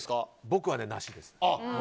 僕はなしです。